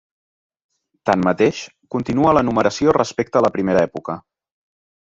Tanmateix, continua la numeració respecte a la primera època.